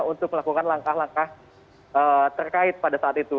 untuk melakukan langkah langkah terkait pada saat itu